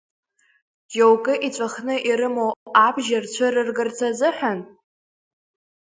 Џьоукы иҵәахны ирымоу абџьар цәырыргарц азыҳәан?